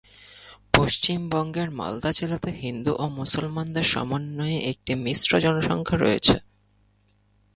পশ্চিমবঙ্গের মালদা জেলাতে হিন্দু ও মুসলমানদের সমন্বয়ে একটি মিশ্র জনসংখ্যা রয়েছে।